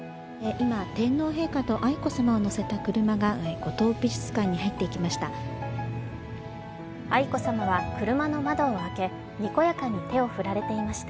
今、天皇陛下と愛子さまを乗せた車が五島美術館に入っていきました。